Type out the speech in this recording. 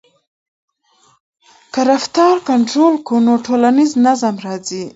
که رفتار کنټرول کړو نو ټولنیز نظم راځي.